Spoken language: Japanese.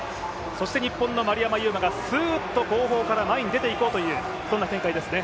日本の丸山優真がすーっと後方から前に出ていこうという展開ですね。